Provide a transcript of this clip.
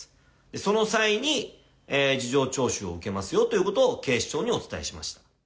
その際に事情聴取を受けますよということを、警視庁にお伝えしま